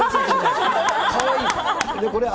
かわいい。